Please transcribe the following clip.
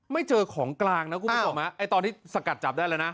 ไม่เจอของกลางนะคุณผู้ชมไอ้ตอนที่สกัดจับได้แล้วนะ